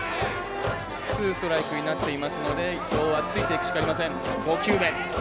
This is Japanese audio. ツーストライクになっていますので伊藤はついていくしかありません。